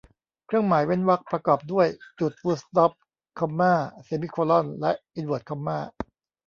เครื่องหมายเว้นวรรคประกอบด้วย จุดฟูลสต๊อป คอมม่า เซมิโคล่อน และอินเวิร์ทคอมม่า